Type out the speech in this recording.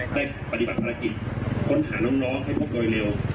ได้ปฏิบัติภารกิจค้นหาน้องให้พบโดยเร็ว